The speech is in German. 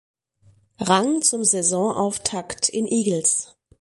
Rang zum Saisonauftakt in Igls.